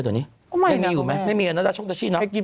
ตอนนี้มีอีโหลไม่มีอันดัชของดัชชิเมื่อว่ากิน